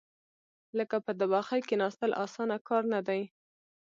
لکه په تبخي کېناستل، اسانه کار نه دی.